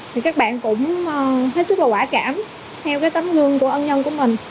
thì các bạn cũng hết sức là quả cảm theo cái tấm gương của ân nhân của mình